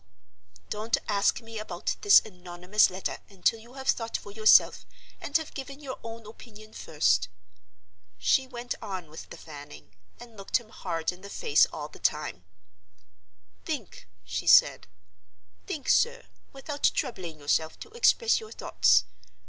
—Don't ask me about this anonymous letter until you have thought for yourself, and have given your own opinion first." She went on with the fanning, and looked him hard in the face all the time. "Think," she said; "think, sir, without troubling yourself to express your thoughts.